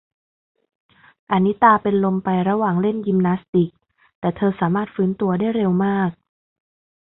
อะนิตาเป็นลมไประหว่างเล่นยิมนาสติก แต่เธอสามารถฟื้นตัวได้เร็วมาก